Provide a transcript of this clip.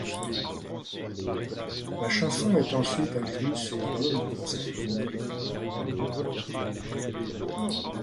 La chanson est ensuite incluse sur l'album du concert.